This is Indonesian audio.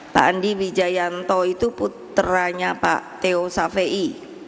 pak andi wijayanto itu putranya pak teo safei